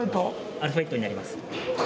アルファベットになります。